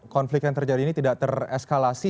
konflik yang terjadi ini tidak tereskalasi